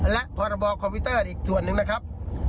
และพรบคอมพิวเตอร์อีกส่วนหนึ่งนะครับ